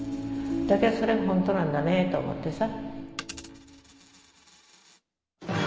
だけどそれがホントなんだねと思ってさ。